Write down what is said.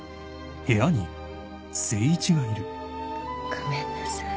ごめんなさい。